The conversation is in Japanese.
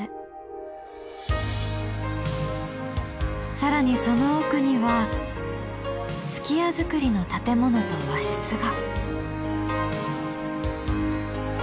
更にその奥には数寄屋造りの建物と和室が。